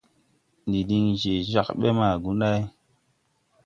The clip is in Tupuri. Ndi din je jagbe ma Gunday.